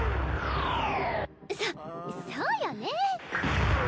そそうよね。